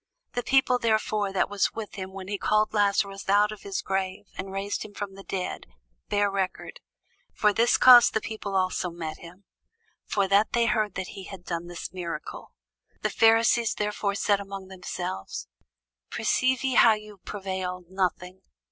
The people therefore that was with him when he called Lazarus out of his grave, and raised him from the dead, bare record. For this cause the people also met him, for that they heard that he had done this miracle. The Pharisees therefore said among themselves, Perceive ye how ye prevail nothing?